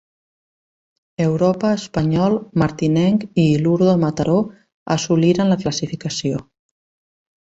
Europa, Espanyol, Martinenc i Iluro de Mataró assoliren la classificació.